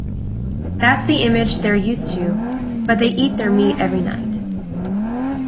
That's the image they're used to, but they eat their meat every night.